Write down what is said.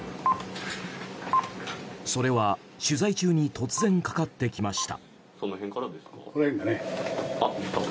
それは取材中に突然かかってきました。